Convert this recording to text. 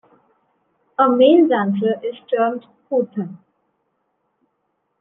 A male dancer is termed "Koothan".